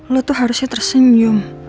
lo tuh harusnya tersenyum